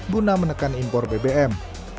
guna menekan impor bbm